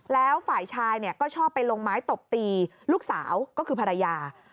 แล้วฝ่ายชายก็ชอบไปลงไม้ตบตีลูกสาวก็คือภรรยา